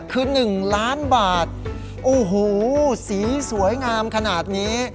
คือ๑ล้านบาทโอ้โหสีสวยงามขนาดนี้